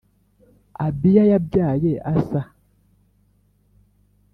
Abiya yabyaye Asa,